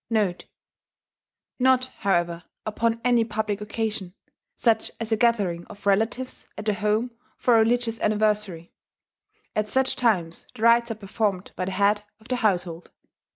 * [*Not, however, upon any public occasion, such as a gathering of relatives at the home for a religious anniversary: at such times the rites are performed by the head of the household.